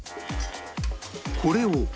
これを